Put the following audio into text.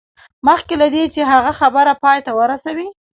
مخکې له دې چې هغه خبره پای ته ورسوي